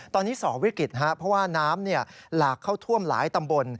ตอนนี้สอบวิกฤตเพราะว่าน้ำหลากเข้าท่วมหลายตำบล